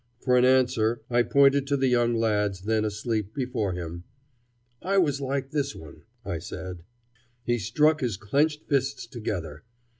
For an answer I pointed to the young lads then asleep before him. "I was like this one," I said. He struck his clenched fists together.